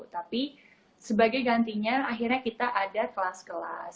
tapi sebagai gantinya akhirnya kita ada kelas kelas